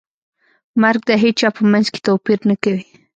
مرګ د هیچا په منځ کې توپیر نه کوي.